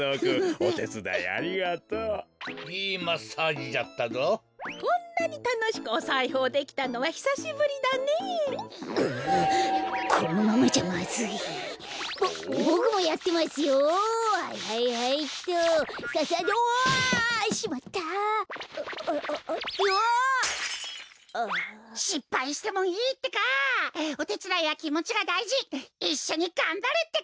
おてつだいはきもちがだいじいっしょにがんばるってか！